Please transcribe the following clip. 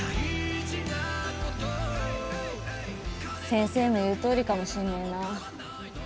先生の言うとおりかもしんねえな。